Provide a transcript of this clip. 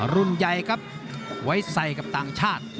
รุ่นใหญ่ครับไว้ใส่กับต่างชาติ